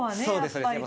そうですね。